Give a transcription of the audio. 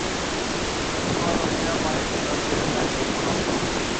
ননি গড় হইয়া পায়ের ধুলা লইয়া তাঁহাকে প্রণাম করিল।